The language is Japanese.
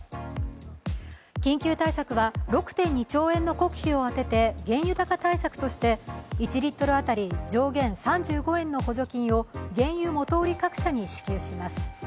緊急対策は６．２兆円の国費を充てて原油高対策として１リットル当たり上限３５円の補助金を原油元売り各社に支給します。